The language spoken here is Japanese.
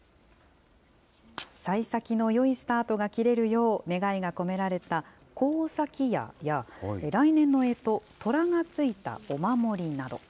さい先のよいスタートが切れるよう、願いが込められた幸先矢や、来年のえと、とらがついたお守りなど。